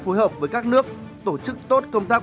phối hợp với các nước tổ chức tốt công tác